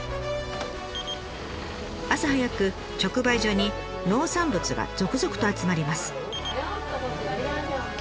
朝早く直売所に農産物が続々と集まります。